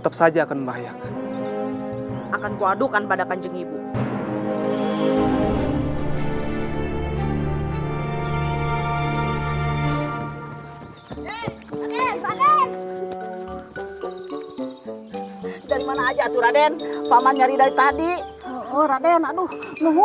tenang ya kita akan mengobatimu